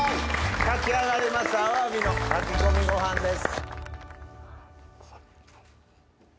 炊き上がりましたアワビの炊き込みご飯です。